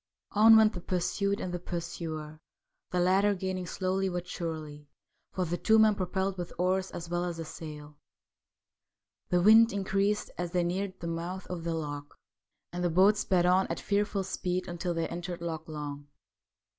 On went the pursued and the pursuer, the latter gaining slowly but surely, for the two men propelled with oars as well as the sail. The wind increased as they neared the mouth of the loch, and the boats sped on at fearful speed until they entered Loch Long.